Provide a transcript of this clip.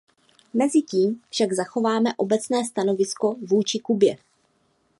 Mezitím však zachováváme obecné stanovisko vůči Kubě.